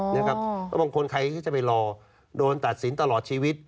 อ๋อนะครับแล้วบางคนใครจะไปรอดูตัดสินตลอดชีวิต